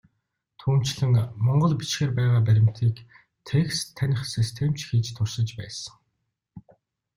Түүнчлэн, монгол бичгээр байгаа баримтыг текст таних систем ч хийж туршиж байсан.